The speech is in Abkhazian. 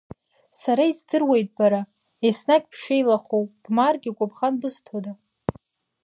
Сара издыруеит бара, еснагь, бшеилахоу, бмааргьы гәыбӷан бызҭода?